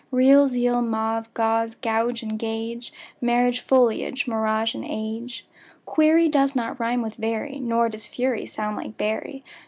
Real, zeal; mauve, gauze and gauge; Marriage, foliage, mirage, age. Query does not rime with very, Nor does fury sound like bury.